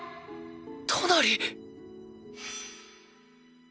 トナリッ！